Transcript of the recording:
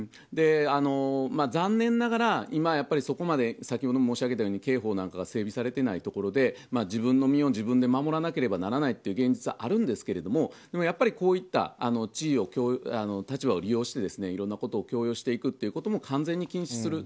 残念ながら今、先ほど申し上げたように刑法なんかが整備されていないところで自分の身を自分で守らなければいけないという現実はあるんですけどもやっぱりこういった立場を利用していろいろなことを強要していくようなそういったことも完全に禁止していく。